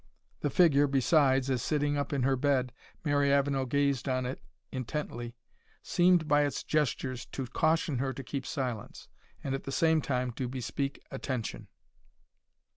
The figure, besides, as sitting up in her bed, Mary Avenel gazed on it intently, seemed by its gestures to caution her to keep silence, and at the same time to bespeak attention.